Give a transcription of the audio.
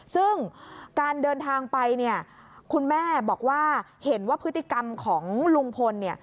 ซึ่งการเดินทางไปเนี่ยคุณแม่บอกว่าเห็นว่าพฤติกรรมของลุงพลเนี่ย